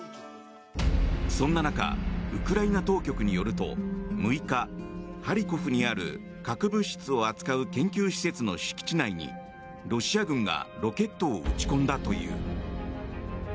そんな中ウクライナ当局によると６日、ハリコフにある核物質を扱う研究施設の敷地内にロシア軍がロケットを撃ち込んだという。